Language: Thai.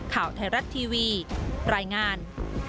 ข่าวไทยรัฐทีวีรายงาน